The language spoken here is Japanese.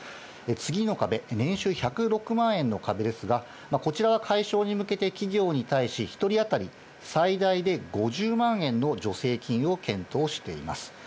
次の壁、年収１０６万円の壁ですが、こちらは解消に向けて企業に対し、１人当たり最大で５０万円の助成金を検討しています。